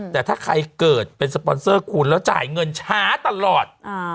แต่ถ้าใครเกิดเป็นสปอนเซอร์คุณแล้วจ่ายเงินช้าตลอด